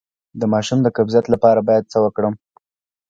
د ماشوم د قبضیت لپاره باید څه وکړم؟